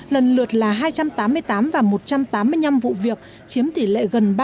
lần lượt là hai trăm tám mươi tám và một trăm tám mươi năm vụ việc chiếm tỷ lệ gần ba mươi và hai mươi